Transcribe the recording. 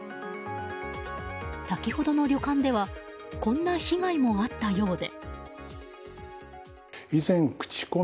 先ほどの旅館ではこんな被害もあったようで。